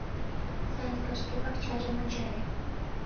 Санька шке пакчажым ончале.